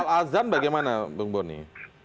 kalau soal azan bagaimana bung boni